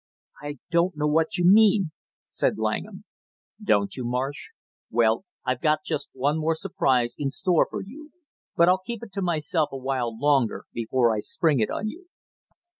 "I don't know what you mean " said Langham. "Don't you, Marsh? Well, I got just one more surprise in store for you, but I'll keep it to myself a while longer before I spring it on you."